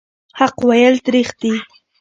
حق ویل تریخ دي.